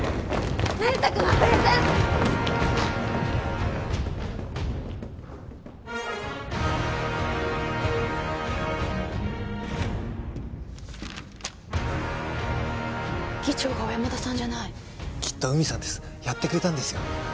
那由他くんはプレゼン議長が小山田さんじゃないきっと海さんですやってくれたんですよ